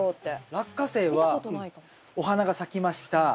お花が咲きました。